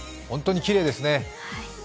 本当にきれいですね。